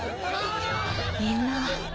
みんな。